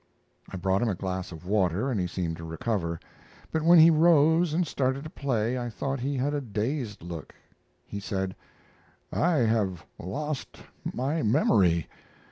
I brought him a glass of water and he seemed to recover, but when he rose and started to play I thought he had a dazed look. He said: "I have lost my memory.